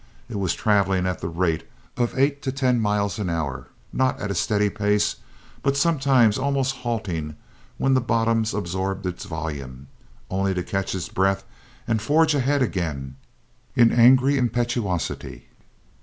It was traveling at the rate of eight to ten miles an hour, not at a steady pace, but sometimes almost halting when the bottoms absorbed its volume, only to catch its breath and forge ahead again in angry impetuosity.